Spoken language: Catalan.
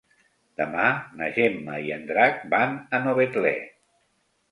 Demà na Gemma i en Drac van a Novetlè.